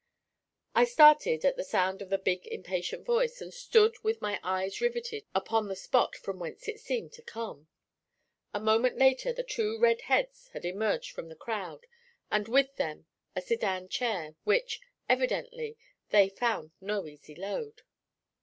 I started at the sound of the big, impatient voice, and stood with my eyes riveted upon the spot from whence it seemed to come. A moment later the two red heads had emerged from the crowd, and with them a sedan chair, which, evidently, they found no easy load.